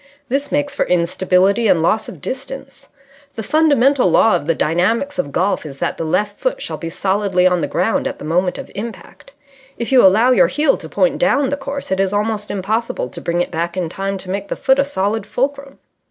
This makes for instability and loss of distance. The fundamental law of the dynamics of golf is that the left foot shall be solidly on the ground at the moment of impact. If you allow your heel to point down the course, it is almost impossible to bring it back in time to make the foot a solid fulcrum."